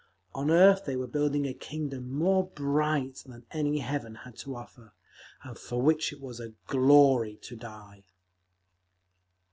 On earth they were building a kingdom more bright than any heaven had to offer, and for which it was a glory to die….